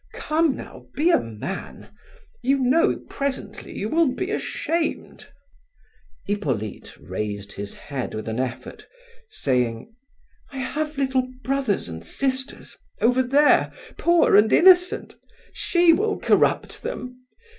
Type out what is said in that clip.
Come now, be a man! You know presently you will be ashamed." Hippolyte raised his head with an effort, saying: "I have little brothers and sisters, over there, poor avid innocent. She will corrupt them!